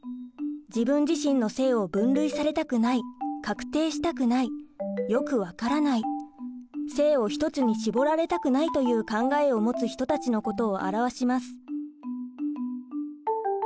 自分自身の性を分類されたくない確定したくないよく分からない性を一つに絞られたくないという考えを持つ人たちのことを表します。